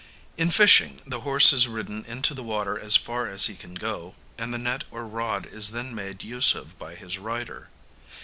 In fishing, the horse is ridden into the water as far as he can go, and the net or rod is then made use of by his rider.